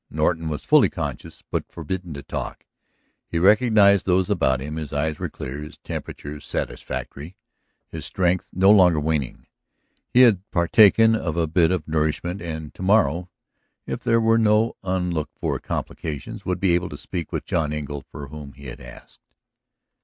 Norton was fully conscious, but forbidden to talk; he recognized those about him, his eyes were clear, his temperature satisfactory, his strength no longer waning. He had partaken of a bit of nourishment and to morrow, if there were no unlooked for complications, would be able to speak with John Engle for whom he had asked.